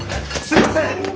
すいません！